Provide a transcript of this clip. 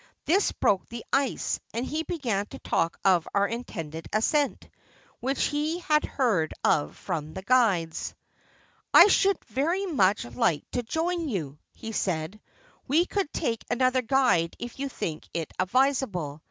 This broke the ice, and he began to talk of our intended ascent, which he had heard of from the guides. '" I should very much like to join you, ' he said. " We could take another guide if you think it advisable.